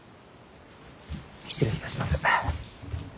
失礼いたします。